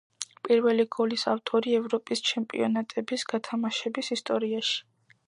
პირველი გოლის ავტორი ევროპის ჩემპიონატების გათამაშების ისტორიაში.